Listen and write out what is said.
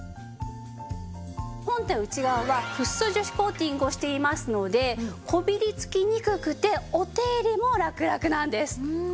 本体内側はフッ素樹脂コーティングをしていますのでこびりつきにくくてお手入れもラクラクなんです。